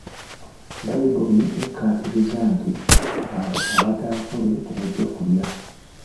Bbayibuli ekkaatiriza nti abo abataakole tebajja kulya.